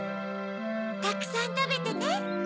たくさんたべてね。